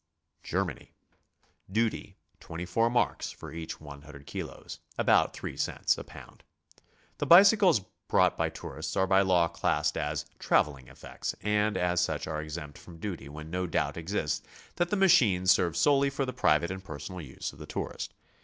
GERMANY. Duty, 24 marks for each 100 kilos, — about three cents a pound. The bicycles brought by tourists are by law classed as ^'traveling effects,'' and as s>uc'h are exempt from duty when no doubt exists that the machine serves BICYCLE TOURING. 113 solely for the private and pers onal use of the touri st.